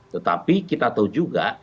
tetapi kita tahu juga